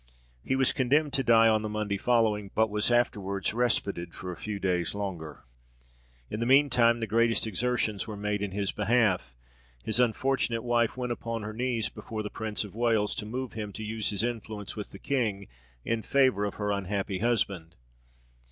He was condemned to die on the Monday following, but was afterwards respited for a few days longer. In the mean time the greatest exertions were made in his behalf. His unfortunate wife went upon her knees before the Prince of Wales, to move him to use his influence with the king in favour of her unhappy husband.